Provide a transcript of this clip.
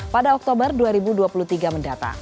pada oktober dua ribu dua puluh tiga mendatang